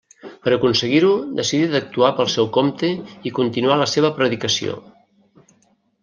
Per aconseguir-ho, decidí d'actuar pel seu compte i continuà la seva predicació.